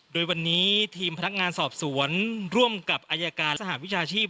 โดยวันนี้ทีมพนักงานสอบสวนร่วมกับอายการสหวิชาชีพ